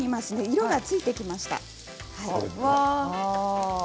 色がついてきました。